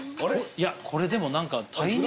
いやこれでも何か耐熱。